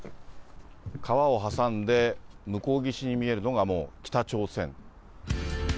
川を挟んで、向こう岸に見えるのが北朝鮮。